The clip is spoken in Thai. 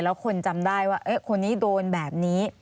แล้วคนจำได้ว่าคนนี้โดนแบบนี้